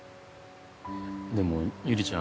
でもゆりちゃん。